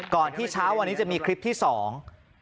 ที่เช้าวันนี้จะมีคลิปที่สอง